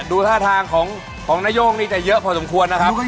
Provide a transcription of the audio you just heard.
ดูท่าทางของนโย่งนี่จะเยอะพอสมควรนะครับ